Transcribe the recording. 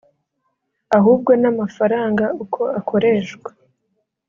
Ahubwo n’amafaranga uko akoreshwa